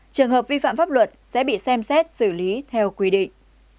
trường hợp vi phạm pháp luật sẽ bị xem xét xử lý theo quy định